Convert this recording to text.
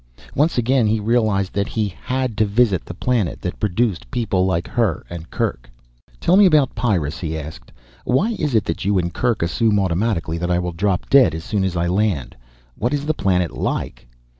Once again he realized that he had to visit the planet that produced people like her and Kerk. "Tell me about Pyrrus," he asked. "Why is it that you and Kerk assume automatically that I will drop dead as soon as I land? What is the planet like?"